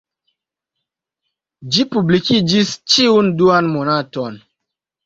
Ĝi publikiĝis ĉiun duan monaton.